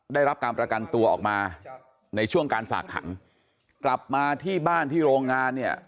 ได้รับการประกันตัวออกมาในช่วงการฝากขังกลับมาที่บ้านที่โรงงานเนี่ย